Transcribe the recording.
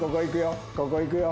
ここ行くよ